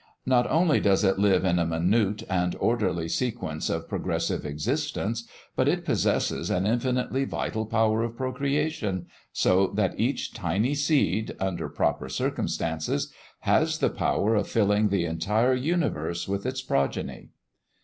Not only does it live in a minute and orderly sequence of progressive existence, but it possesses an infinitely vital power of procreation, so that each tiny seed, under proper circumstances, has the power of filling the entire universe with its progeny.